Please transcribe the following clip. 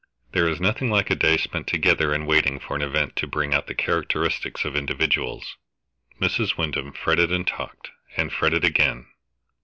There is nothing like a day spent together in waiting for an event, to bring out the characteristics of individuals. Mrs. Wyndham fretted and talked, and fretted again.